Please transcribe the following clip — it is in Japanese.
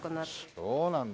そうなんだ。